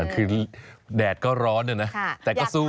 คือแดดก็ร้อนนะนะแต่ก็สู้